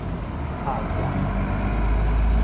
臭肉